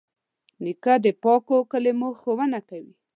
نیکه د پاکو کلمو ښوونه کوي.